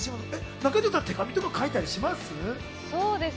中条さん、手紙書いたりします？